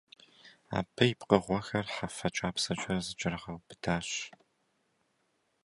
Абы и пкъыгъуэхэр хьэфэ кIапсэкIэ зэкIэрегъэубыдащ.